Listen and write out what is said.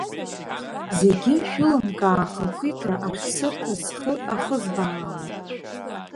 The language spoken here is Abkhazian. Зегьы шәылымкаа ахақәиҭра ахьсырҭаз схы ахызбаауеит…